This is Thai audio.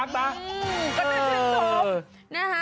ก็ได้ถึงสม